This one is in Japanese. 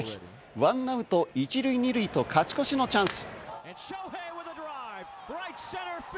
１アウト１塁２塁と勝ち越しのチャンス。